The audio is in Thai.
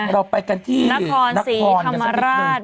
เราไปกันที่นักธรรมสีธรรมราช